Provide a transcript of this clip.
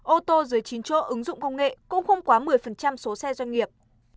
ô tô dưới chín chỗ ứng dụng công nghệ cũng không quá một mươi số xe doanh nghiệp